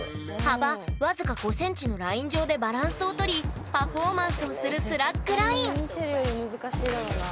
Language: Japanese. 幅僅か５ｃｍのライン上でバランスを取りパフォーマンスをする「スラックライン」見てるより難しいだろうな。